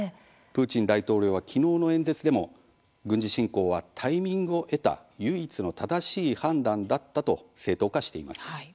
プーチン大統領はきのうの演説でも軍事侵攻はタイミングを得た唯一の正しい判断だったと正当化しています。